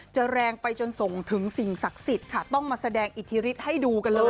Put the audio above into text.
แรงไปจนส่งถึงสิ่งศักดิ์สิทธิ์ค่ะต้องมาแสดงอิทธิฤทธิ์ให้ดูกันเลย